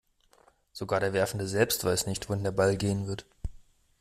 Sogar der Werfende selbst weiß nicht, wohin der Ball gehen wird.